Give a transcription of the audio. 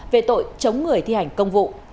về tội chống người thi hành công vụ